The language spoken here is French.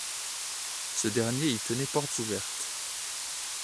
Ce dernier y tenait portes ouvertes.